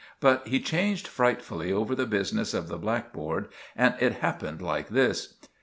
But he changed frightfully over the business of the blackboard, and it happened like this.